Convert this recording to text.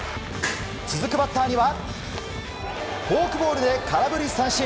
続くバッターにはフォークボールで空振り三振。